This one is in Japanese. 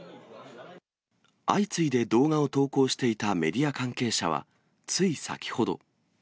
相次いで動画を投稿していたメディア関係者は、つい先ほど。